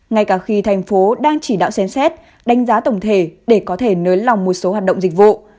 ngay cả khi thành phố đang chỉ đạo xem xét đánh giá tổng thể để có thể nới lỏng một số hoạt động dịch vụ